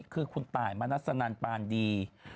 คือคุณตายมานัสนันต์ปาลดี